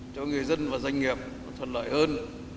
cho người dân và doanh nghiệp thuận lợi hơn